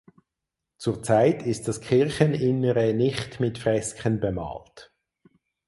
Zurzeit ist das Kircheninnere nicht mit Fresken bemalt.